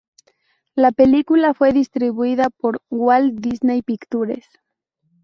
La película fue distribuida por Walt Disney Pictures.